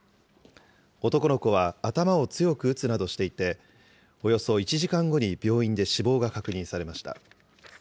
男の子は頭を強く打つなどしていて、およそ１時間後に病院で死亡が確認されました。